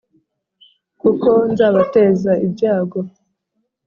Kuko nzabateza ibyago